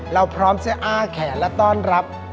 เราพร้อมจะอ้าแขนและต้อนรับ